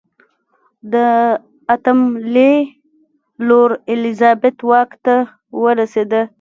د اتم لي لور الیزابت واک ته ورسېده.